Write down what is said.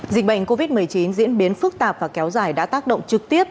dịch bệnh covid một mươi chín diễn biến phức tạp và kéo dài đã tác động trực tiếp